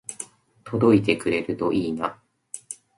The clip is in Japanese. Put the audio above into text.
届いてくれるといいな